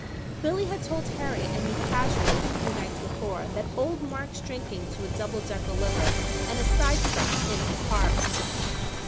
Billy had told Harriet and me casually a few nights before that "old Mark's drinking to a double decker liver and a sidestep in his heart."